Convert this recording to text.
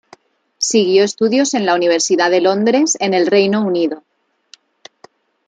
Siguió estudios en la Universidad de Londres en el Reino Unido.